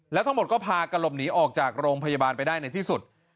แล้วทั้งหมดก็พากันหลบหนีออกจากโรงพยาบาลไปได้ในที่สุด